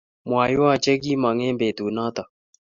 Mwaiwo che kie mong eng betut notok